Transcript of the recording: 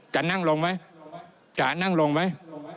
จะนั่งลงไหมจะนั่งลงไหม